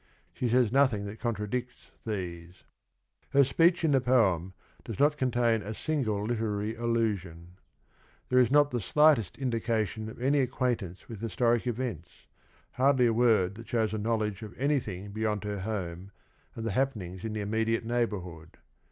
She sa ys nothing thatcontradicts these. Her speech_j n_ the poem does not contain a single li terary allus ion. There is not the sligKtest Tn dication of any acquaintance with historic events, hardly a word that shows a knowledge of any thing beyond her home and the happenings in the immediate neighborhood.